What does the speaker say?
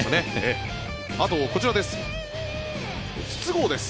あと、こちらです。